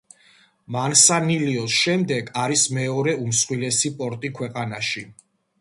მანსანილიოს შემდეგ არის მეორე უმსხვილესი პორტი ქვეყანაში.